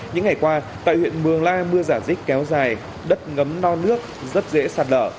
những ngày qua tại huyện mường la mưa giả dích kéo dài đất ngấm no nước rất dễ sạt lở